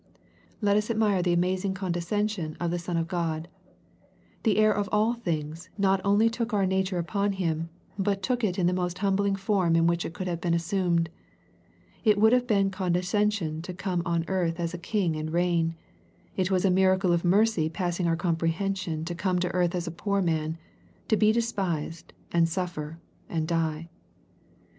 Let us admire the amazing condescension of the Son of God. The Heir of all things not only took our nature upon Him, but took it in the most humbling form in which it could have been assumed. It would have been condescension to come on earth as a king and reign. It was a miracle of mercy passing our comprehension to come on earth as a poor man, to be despised, and suffer, and die.